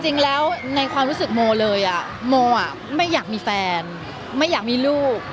จริงแล้วในความรู้สึกโมเลยโมไม่อยากมีแฟนไม่อยากมีลูก